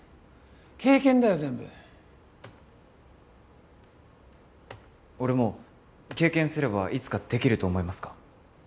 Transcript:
経験だよ全部俺も経験すればいつかできると思いますか？